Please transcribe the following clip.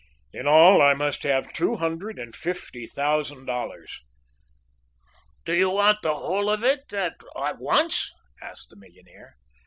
"In all, I must have two hundred and fifty thousand dollars." "Do you want the whole of it at once?" asked the millionaire.